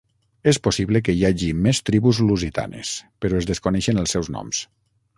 Es possible que hi hagi més tribus lusitanes, però es desconeixen els seus noms.